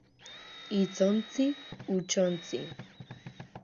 Hitzontzi, hutsontzi.